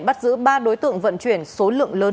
bắt giữ ba đối tượng vận chuyển số lượng lớn